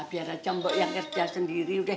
biar aja mbok yang kerja sendiri